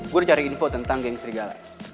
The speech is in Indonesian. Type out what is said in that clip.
gue cari info tentang geng serigala